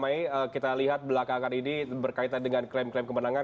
nanti agak agak ramai kita lihat belakang angka ini berkaitan dengan klaim klaim kemenangan